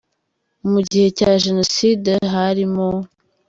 . mu gihe cya Jenoside, harimo.